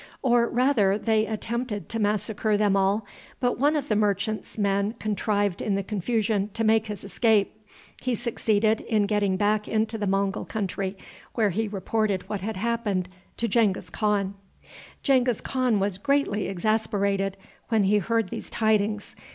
Or, rather, they attempted to massacre them all, but one of the merchants' men contrived in the confusion to make his escape. He succeeded in getting back into the Mongul country, where he reported what had happened to Genghis Khan. Genghis Khan was greatly exasperated when he heard these tidings.